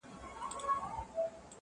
څوک چي ستا په قلمرو کي کړي ښکارونه،